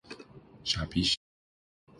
傻逼是吧？